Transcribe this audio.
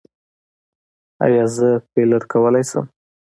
ایا زه فیلر کولی شم؟